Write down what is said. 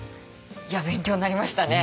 いや勉強になりましたね。